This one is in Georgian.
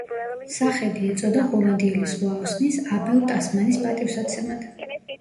სახელი ეწოდა ჰოლანდიელი ზღვაოსნის აბელ ტასმანის პატივსაცემად.